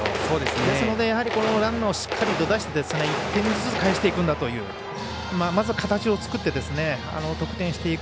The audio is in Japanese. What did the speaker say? ですので、ランナーをしっかり出して１点ずつ返していくんだというまずは形を作って得点をしていく。